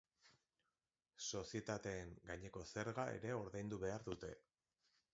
Sozietateen gaineko zerga ere ordaindu behar dute.